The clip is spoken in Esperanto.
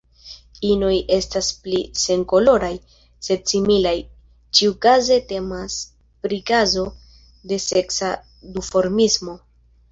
Inoj estas pli senkoloraj, sed similaj; ĉiukaze temas pri kazo de seksa duformismo.